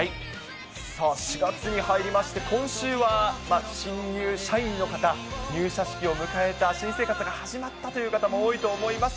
さあ、４月に入りまして、今週は新入社員の方、入社式を迎えた、新生活が始まったという方も多いと思います。